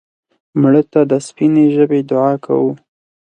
مړه ته د سپینې ژبې دعا کوو